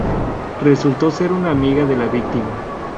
Resultó ser una amiga de la víctima.